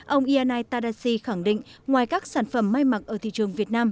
ông ianai tadasi khẳng định ngoài các sản phẩm may mặc ở thị trường việt nam